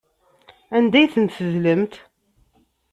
Anda ay ten-tedlemt?